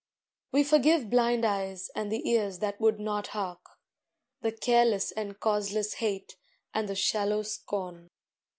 We forgive blind eyes and the ears that would not hark, The careless and causeless hate and the shallow scorn.